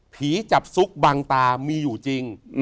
ผีจับซุกบางตามีอยู่จริง